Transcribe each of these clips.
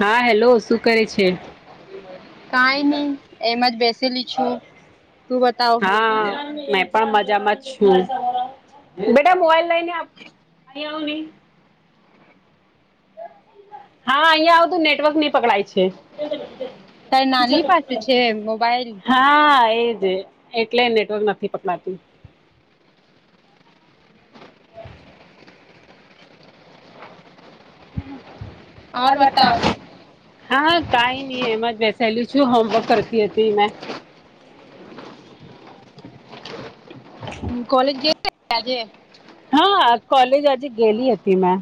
હા હેલો શું કરે છે? કાઈ નહી એમાં જ બેસેલી છું તું બતાવો હા મેં પણ મજામાં જ છું બેટા મોબાઈલ લઈ ને આવ હા અહિયાં આવતું નેટવર્ક નહી પકડાય છે. તારી નાની પાસે છે મોબાઈલ. હા એજ એજ એટલે નેટવર્ક નથી પકડાતું. ઓર મારું મસ્ત બતાવ આવશે. હા કાઈ નઈ એમાં જ બેસેલું છું હોમવર્ક કરતી હતી મેં. કોલેજ ગઈ તી આજે. હા કોલેજ આજે ગેલી હતી મેં.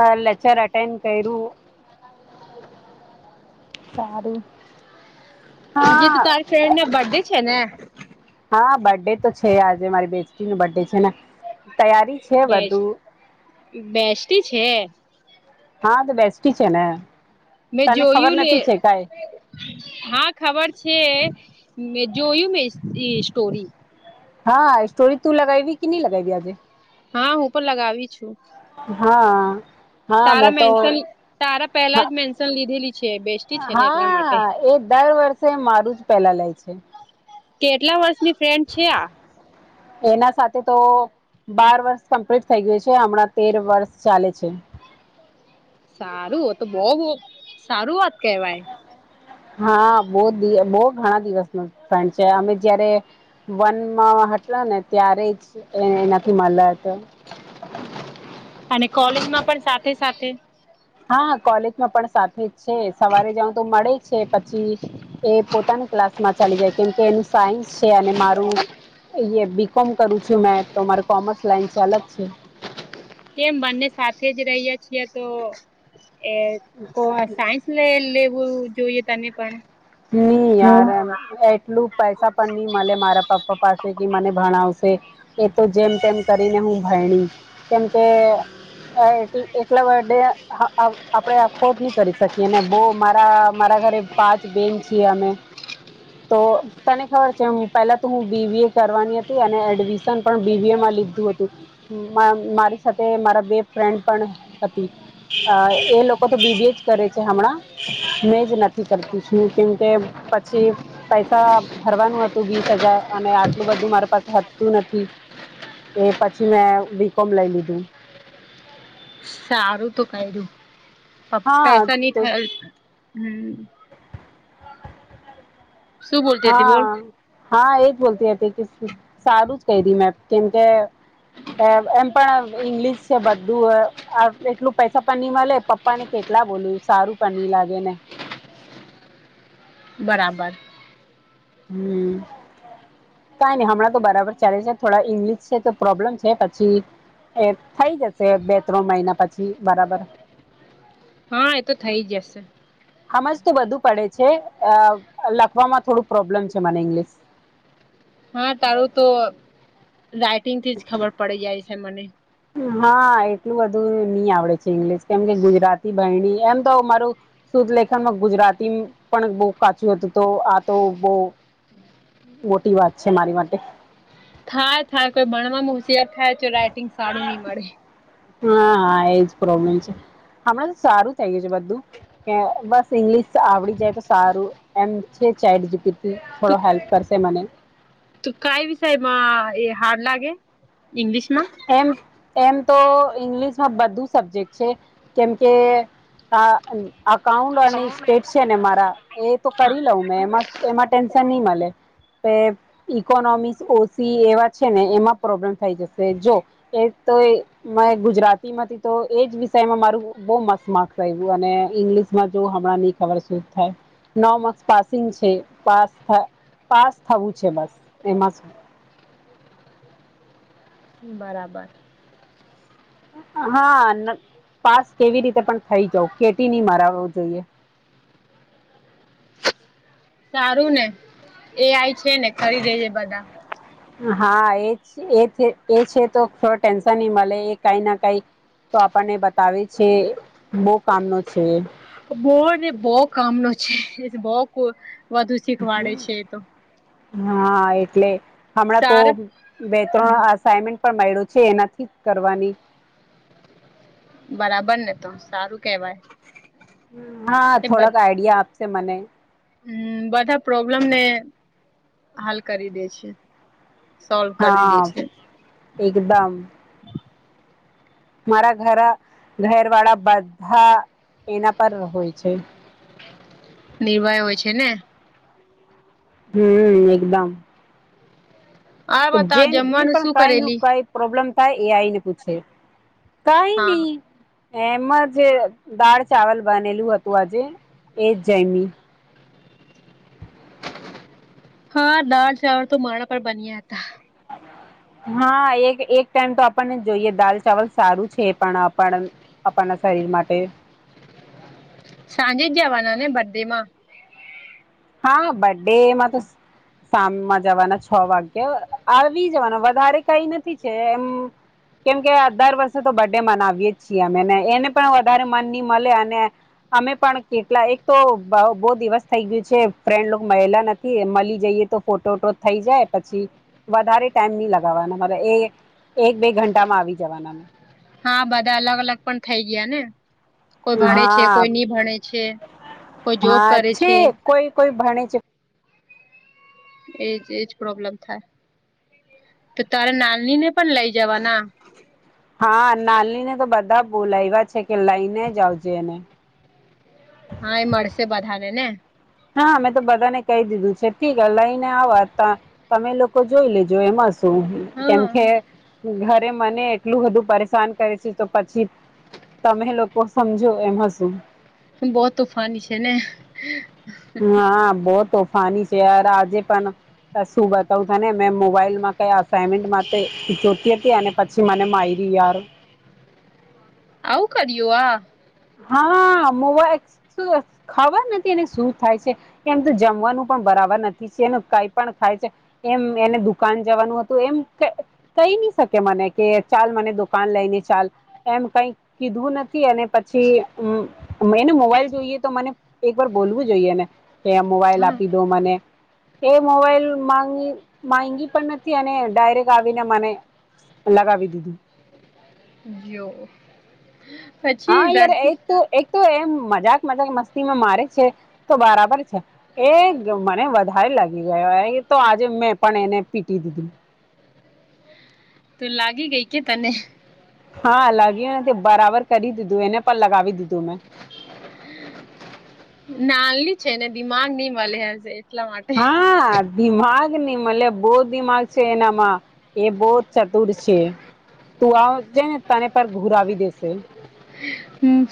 અ લેક્ચર અટેન્ડ કર્યું. સારું આજે હા તો તારી ફ્રેન્ડ ના બર્ડે છે ને. હા બડે તો છે આજે મારી બેસ્ટી નું બર્થ ડે છે ને તૈયારી છે બેસ્ટ બધું બેસ્ટી છે. હા તો બેસ્ટી છે ને મેં તને ખબર જોયું લે નથી છે કાઈ. હા ખબર છે મે જોયું મે હિસ્ટ્રી સ્ટોરી. હા સ્ટોરી તું લગાઈવી કે નહી લગાઈવી આજે. હા હું પણ લગાવી છું. હા. હા મેં તારા તો મેન્શન તારા પહેલા હા જ મેન્શન લીધેલી છે બેસ્ટી છે ને એટલા માટે હા એ દર વર્ષ તે મારું જ પેલા લે છે. કેટલા વર્ષની ફ્રેન્ડ છે આ. એના સાથે તો બાર વર્ષ કંપલસરીએ છે હમણાં તેર વર્ષ ચાલે છે. સારું તો બઉ બઉ સારું વાત કેવાય. હા બહુ દીવ ઘણા દિવસ નો ટાઈમ છે આપે જયારે વનમાં હતા ને ત્યારે જ એ નથી મળલા હતા. અને કોલેજમાં પણ સાથે સાથે હા કોલેજમાં પણ સાથે જ છે સવારે જ્યાં કોક તો મળે છે પછી એ પોતાની ક્લાસ માંથી ચાલી જાય કેમ કે એનું સાયન્સ છે અને મારું અ બી કોમ કરું છું મેં તો મારે કોમર્સ લાઈન ચાલે છે. કેમ બંને સાથે જ રહીએ છીએ તો એ કો સાયન્સ લે લેવું જોઈએ તને પણ. ની યાર એમ એટલું પૈસા પણ ની મળે મારા પપ્પા પાસેથી મને ભણાવશે એ તો જેમ તેમ કરીને હું ભરણી કેમકે હ એટ એટલા બર્ડે હ હા આપડે એફોર્ડ નહી કરી શકીએને બહું મારા મારા ઘરે પાંચ બેન છીએ અમે તો તને ખબર છે પેલા તો હું બીબી એ કરવાની હતી અને એડમિશ પણ બીવીએમાં લીધું હતું. માં મારી સાથે મારા બે ફ્રેન્ડ પણ હતી. આ એ લોકો તો બીબીએ જ કરે છે હમણાં મેં જ નથી કરત પુંછુ કેમ કે પછી પૈસા ભરવાનું હતું વીસ હજાર અને આટલું બધું મારી પાસેતું નથી. એ પછી મેં વી કોમ લઈ લીધું. સારું તો ક દું હા પૈસા નહી થ હમ [unintelligible] શું બોલતી હતી બોલ હા હા એજ બોલતી હતી કે સારું જ કહી રી મેં કેમકે એમ પણ ઈંગ્લિશ છે બધું એટલું પૈસા પણ નની મળે પપ્પા ને કેટ કેટલા બોલું સારું પાણી લાગે ને. બરાબર. હમ કઈ નહી હમણાં તો બરાબર ચાલે છે થોડા ઇંગ્લિશ છે તો પ્રોબ્લેમ છે પછી એ થઈ જશે બે ત્રણ મહિના પછી બરાબર હા એતો થઇ જશે સમજ તો બધું પડે છે લખવામાં થોડું પ્રોબ્લેમ છે મને ઇંગ્લિશ હા તારું તો રાઈટિંગ થી જ ખબર પડી જાય છે મને હા એટલું બધું નઈ આવડે છે ઇંગ્લિશ કેમ કે ગુજરાતી બણી એમ તો મારું શધલેેખનમાં ગુજરાતી પણ બહુ કાચું હતું તો આ તો બહ મોટી વાત છે મારી માટે થાય થાય કોઈ ભણવાવામાં હોશિયાર થાય તો રાઈટિંગ સારું નહી મળે હા એજ પ્રોબ્લેમ છે હમણાં તો સારું થઈ ગયું છે બધું બસ ઇંગ્લિશ આવડી જાય તો સારું એમ છે ચારપ થોડો હેલ્પ કરશે મને તું કઈ વિષયમાં એ હાર્ડ લાગે ઇંગ્લિશ માં એમ એમ તો ઈંગ્લિશમાં બધું સબ્જેક્ટ છે કેમકે અઉન્ટ અને સ્ટેટ છે ને મારા એ તો હા કરી લઉં મે એમાંન્ નહી મળે પ ઇકોનોમિકસ ઓસી એવા છે ને એમાં પ્રોબ્લેમ થઈ જશે જો એ ગુજરાતીમાંથી તો એજ વિષયમાં મારું બહ મસ્ત માર્ક્સ આવ્યું અને ઈંગ્લિશમાં જો હમણાં નહી ખબર શ સુ થાય ન માર્સ પાસિંગ છે પાસ પાસ થવું છે બસ એમાં બરાબર હા પાસ કેવી રીતે પણ થઇ જાવ કેટી નહી મરાવવું જોઈએ સારું ને એ આઈ છે ને ખ દેજે બધા હા એ છે તો ટેન્શન નહી મળે એ કઈ ના કઈ તો આપણને બતાવે છે બહ કામનો છે બહ ને બહ કામનો છે બહ વધુ શીખવાડે છે તો હા એટલે હમણાં તો સાર બે ત્રણ અમેન્ટ પણ માડો છે એનાથી કરવાની બરાબર ને તો સારું કેવાય હા થોડાક આઈડિયા આપશે મને હમ બધા પ્રોબ્લેમ ને હાલ કરી દે છે સોલ્વ કરી દે હા છે એકદમ મારા ઘર ઘર વાળા બધા એના પર હોય છે નિર્ભય હોય છે ને હમ એકદમ આ તો બતાવ જે નહી જમવાનું પણ શું કઈ નું કરેલી કઈ પ્રોબ્લેમ થ એ આય ને પૂછે કઈ હા નહી એમાં જે દાળ ચાવલ બનેલું હતું આજે એ જમી હા દાલ ચાવર તો મારા પર બન્યા હતા હા હા એક એક ટાઈમ તો આપણને જોઈએ દાલ ચાવલ સારું છે પણ આપણ આપણના શરીર માટે સાંજે જ જવાના ને બધે માં હા બડડેમાં તો સામમાં જવાના છ વાગ્ય આવી જવાના વધારે કઈ નથી છે એમ કેમ કે દર વર્ષે તો બર્ ડે મનાવીએે જ છીએ અમેને એને પણ વધારે મન નની મળે અને અમે પણ કેટલા એક તો બહુ દિવસ થઈ ગયું છે ફ્રેન્ડ મળલા નથી મળી જઈએ તો ફોટોટો થઈ જાય પછી વધારે ટાઈમ નહી લગાવવાના મારે એ એક બે ઘંટામાં આવી જવાના અમે હા બધા અલગ અલગ પણ થઈ ગયા ને કોઈ ભણે છે હા કોઈ નની ભણે છે કોઈ જોબ કરે છે કોઈ કોઈ ભણે છે એજ એજ પ્રોબ્લેમ થાય તો તારે નાની ને પણ લઈ જવાના હા નાની ને તો બધા બોલા એવા છે કે લઈને જ આવજે એને હા એ મળશે બધાને ને હા મેં તો બધાને કહી દીધું છે ઠીક લઈને આવવા તમે લોકો જોઈ લેજો એ મસ્ત કેમ હા કે ઘરે મને એટલું વધધું પરેશાન કરે છે તો પછી તમે લોકો સમજો એમ હ શું બહુ તુફાની છે ને હા બહ તોફાની છે યાર આજે પણ શું બતાવું ત ને મેં મોબાઈલમાં મેન્ટ ચોતી હતી અને પછી મને મારીરી યાર આવું કરવા હા મોવાઈ ખબર નથી એને શું થાય છે એમ તો જમવાનું પણ બરાબર નથી છે એ કઈ પણ ખાય છે એમ એને દુકાન જવાનું હતું એમ કહી નહી શકે મને કે ચાલ મને દુકાન લઈને ચાલ એમ કઈ કીધવું નથી એને પછી એને મોબાઈલ જોઈએ તો મને એક વાર બોલવું જોઈએ ને કે મોબાઈલ હા આપી દો મને એ મોબાઈલ ગી માંગી પણ નથી અને ડાયરેક્ટ આવીને મને લગાવી દીધી જઓ હા યાર એક તો એક તો એમ મજાક મજાક મસ્તીમાં મારે છે તો બરાબર છે એ મને વધારે લાગી ગયો એ તો આજે મેં પણ એને પીટી દીધું ત લાગી ગઈ કે તને હા લાગ્યું ને તે બરાબર કરી દીધું એને પણ લગાવી દીધું મેં નાનની છે ને દિમાગ નહી મળે હજ એટલા માટે હા દિમાગ ની મતલબ બહુ દિમાગ છે એનામાં એ બહુ ચતુર છે તું આ જઈ ને તને પર ઘુરવી દેશે હમ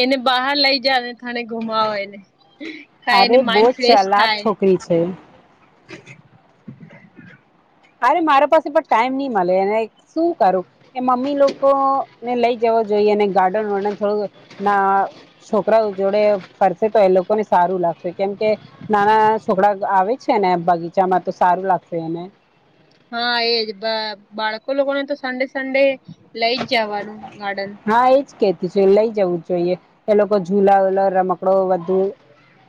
એને બહાર લઈ જ ને થાને ઘુમાવો એને કા અરે એને બહુજ માઇન્ડ ફ્રેશ ચલાક થાય છોકરી છે અરે મારા પાસે પણ ટાઈમ નહી મળે એને શું કરું એ મમ્મી લોકો ને લઈ જવ જોઈએ અને ગાર્ડન વર્ડન થોડું ના છોકરાઓ જોડે ફરસે તો એ લોકોને સારું લાગશે કેમ કે નાના છોકરા આવે છે ને બગીચામાં તો સારું લાગશે એને હા એજ બાળકો લોકોને તો સન્ડે સન્ડે લઈ જ જવાનું ગાર્ડન હા એજ કેતીું છે લઈ જવું જ જોઈએ એ લોકો ઝુલા ઓલા રમકડો વધુ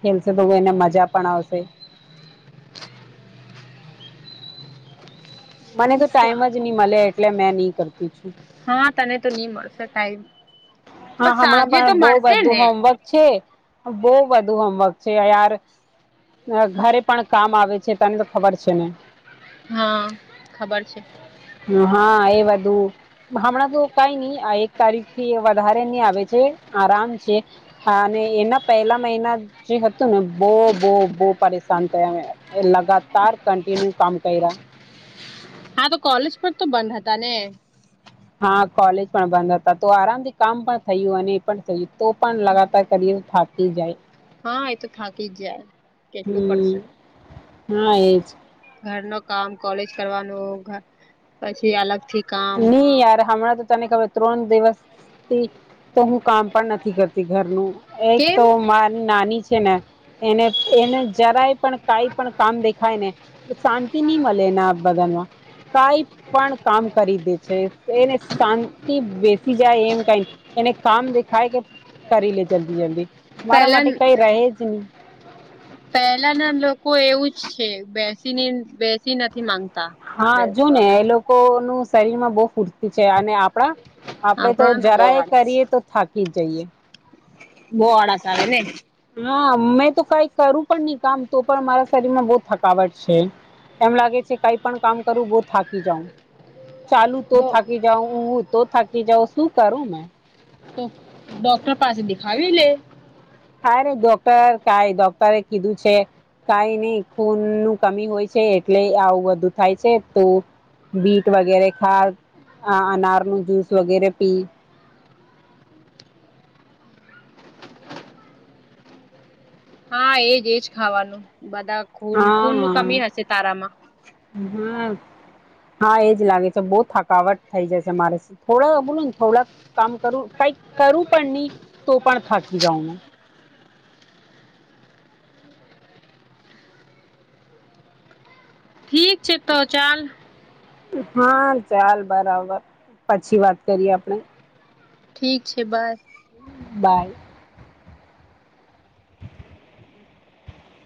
ખેલશે તો એને મજા પણ આવશે મને તો ટાઈમ જ સારું નહી મળે એટલે મેં નહી કરતી છું હા તને તો નહી મળશે કાઈમ હા હમણાં પણ બહ બધું ને હોમવર્ક છે બહ બધુ હોમવર્ક છે યાર ઘરે પણ કામ આવે છે તને તો ખબર છે ને હા ખબર છે હા એ બધું હમણાં તો કઈ નઈ એક તારીખ થી વધારે ન આવે છે આરામ છે અને એના પહેલા મહિના જે હતું ને બહ બો બહ પરેશાન થયા અ એ લગાતાર કન્ટિન્યુ કામ કર્યા હા તો કોલેજ પણ તો બંધ હતા ને હા કોલેજ પણ બંધ હતા તો આરામથી કામ પણ થયું અને થઈએ તો પણ લગાતાર કરી થાતી જાય હા એ તો થાકી જ જાય કેટલું કરશે હમ હા એજ ઘર ન કામ કોલેજ કરવાનું પછી અલગ થી કામ નહી યાર હણાં તો તને ખબર ત્રણ દિવસથી તો હું કામ પણ નથી કરતી ઘરનું એક કેમ તો મારી નાની છે ને એને એને જરાય પણ કઈ પણ કામ દેખાય ને શાંતિ નહી મળે એના બધનમાં કઈ પણ કામ કરી દે છે એને શાંતિ બેસી જાય એમ કઈ એને કામ દેખાય કે કરી લે જલ્દી જલ્દી મારા પહેલા માટે કઈ રહે જ નહી પહેલા ના લોકો એવું જ છે બેસીને બેસી નથી માંગતા હા જોુ ને બેસવા એ માટે લોકો નું શરીર માં બહુ ફુરતી છે અને આપ આપડે તો આપણાને બહુ જરાય આળસ કરીએ તો થાકી જ જઈએ બહવાળકાર ને હા મેં તો કઈ કરું પણ નહી કામ તો પણ મારા શરીરમાં બહ થકાવટ છે એમ લાગે છે કઈ પણ કામ કરવું બહુ થાકી જાઉં ચાલુ તો થાકી જાવ હું તો થાકી જઉ શું કરું મેં તો ડોક્ટર પાસે દેખાવી લે હા ન ડોક્ટર કઈ ડોક્ટરે કીધું છે કઈ નહી ખૂન નું કમી હોય છે એટલે આવું વધુ થાય છે તો બીટ વગેરે ખા અનાર નું જૂસ વગેરે પી હા એજ એજ ખાવાનું બધા ખૂન ખૂન ન હા કમી હશે તારામાં હા હા એ જ લાગે છે બહુ થકાવટ થઈ જાય છે મારે થોડાક બોલ ને થોડાક કામ કરું કઈ કરું પણ નહી તો પણ થાકી જાઉં મે ઠીક છે તવ ચાલ હા ચાલ બરાબર પછી વાત કરીએ આપણેે ઠીક છે બાય બાય